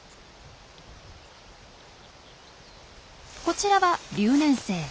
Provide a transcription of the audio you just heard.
こちらは留年生。